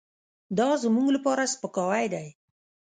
دازموږ لپاره سپکاوی دی .